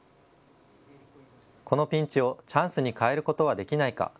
このピンチをチャンスに変えることはできないか。